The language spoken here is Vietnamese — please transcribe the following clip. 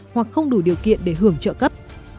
hoặc không đủ điều kiện để hưởng trợ cấp